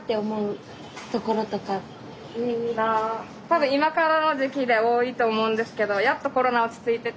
多分今からの時期で多いと思うんですけどエイサー。